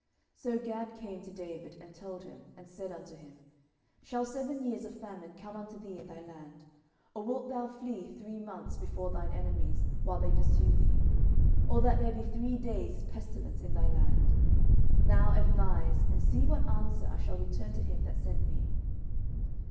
10:024:013 So Gad came to David, and told him, and said unto him, Shall seven years of famine come unto thee in thy land? or wilt thou flee three months before thine enemies, while they pursue thee? or that there be three days' pestilence in thy land? now advise, and see what answer I shall return to him that sent me.